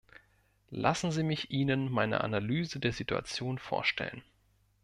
Lassen Sie mich Ihnen meine Analyse der Situation vorstellen.